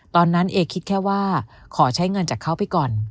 ตอนนั้นแอคิดแค่ว่าขอใช้เงินจากเขาไปก่อน